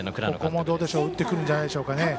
ここも打ってくるんじゃないでしょうかね。